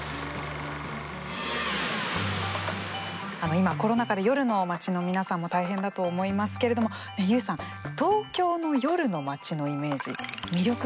今コロナ禍で夜の街の皆さんも大変だと思いますけれどもＹＯＵさん東京の夜の街のイメージ魅力ってどんなところですか？